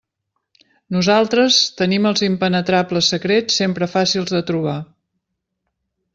Nosaltres tenim els impenetrables secrets sempre fàcils de trobar.